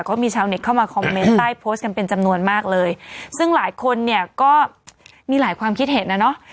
ก็มีชาวเน็ตเข้ามาคอมเมนต์ใต้โพสต์กันเป็นจำนวนมากเลยซึ่งหลายคนเนี่ยก็มีหลายความคิดเห็นนะเนอะ